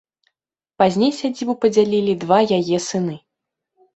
Пазней сядзібу падзялілі два яе сыны.